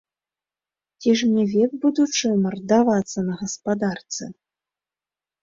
Ці ж мне век, будучы, мардавацца на гаспадарцы?